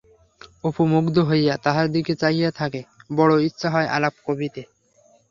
অপু মুগ্ধ হইযা তাহার দিকে চাহিয়া থাকে-বড় ইচ্ছা হয় আলাপ কবিতে।